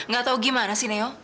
gak tau gimana sih neo